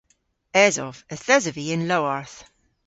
Esov. Yth esov vy y'n lowarth.